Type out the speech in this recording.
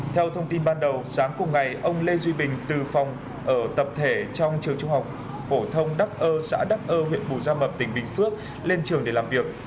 theo thông tin ban đầu sáng cùng ngày ông lê duy bình từ phòng ở tập thể trong trường trung học phổ thông đắc ơ xã đắc ơ huyện bù gia mập tỉnh bình phước lên trường để làm việc